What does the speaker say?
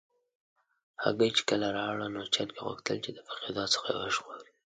هګۍ چې کله راوړه، نو چرګې غوښتل چې د پخېدو څخه یې وژغوري.